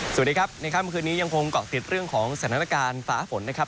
สวัสดีครับในค่ำคืนนี้ยังคงเกาะติดเรื่องของสถานการณ์ฟ้าฝนนะครับ